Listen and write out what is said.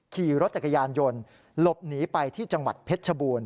ขี่รถจักรยานยนต์หลบหนีไปที่จังหวัดเพชรชบูรณ